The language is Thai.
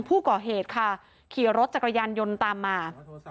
ผู้ก่อเหตุค่ะขี่รถจักรยานยนต์ตามมา